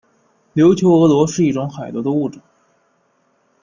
琉球峨螺是一种海螺的物种。